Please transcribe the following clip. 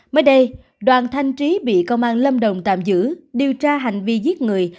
mới đây đoàn thanh trí bị công an lâm đồng tạm giữ điều tra hành vi giết người